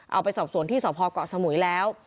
เอาไปสอบสวนที่สพเกาะสมุยแล้ว